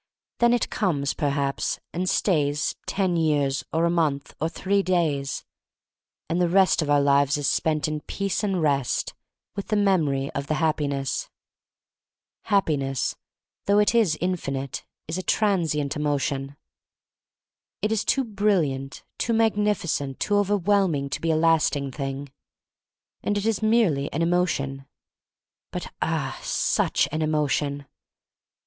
Then it comes, perhaps, and stays ten years, or a month, or three days, and the rest of our lives is spent in peace and rest — with the memory of the Happiness. Happiness — though it is infinite — is a transient emotion. It is too brilliant, too magnificent, too overwhelming to be a lasting thing. And it is merely an emotion. But, ah — such an emotion!